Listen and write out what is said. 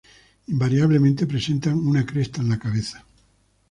Invariablemente presentan una cresta en la cabeza.